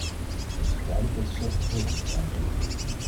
Het is duidelijk dat de sector hulp moet krijgen.